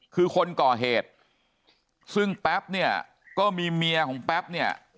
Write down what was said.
คือคนก่อเหตุซึ่งแป๊บเนี่ยก็มีเมียของแป๊บเนี่ย